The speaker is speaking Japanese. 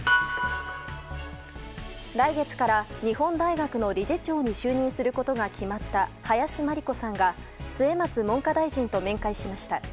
来月から日本大学の理事長に就任することが決まった林真理子さんが末松文科大臣と面会しました。